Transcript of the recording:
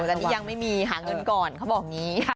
อันนี้ยังไม่มีหาเงินก่อนเขาบอกงี้